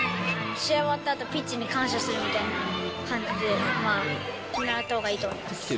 試合終わったあと、ピッチに感謝するみたいな感じで、まあ、見習ったほうがいいと思います。